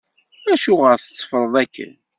Acuɣer tetteffreḍ akken?